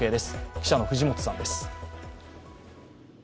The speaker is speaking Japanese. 記者の藤本さんです。